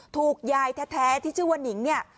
ถูกยายแท้ที่ชื่อว่านิงเนี่ย